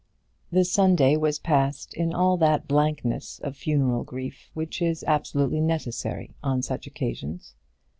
The Sunday was passed in all that blankness of funeral grief which is absolutely necessary on such occasions.